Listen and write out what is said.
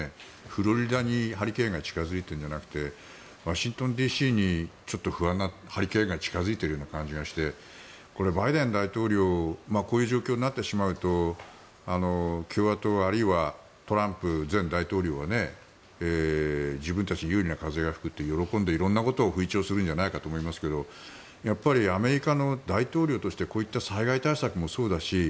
フロリダにハリケーンが近付いてるんじゃなくてワシントンＤＣに不安なハリケーンが近付いてる感じがしてこれはバイデン大統領こういう状況になってしまうと共和党あるいはトランプ前大統領は自分たちに有利な風が吹くって喜んで色んなことを吹聴するんじゃないかと思いますがアメリカの大統領としてこういった災害対策もそうだし